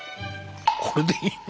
これでいいの？